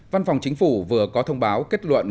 văn phòng chính phủ vừa có thông báo kết luận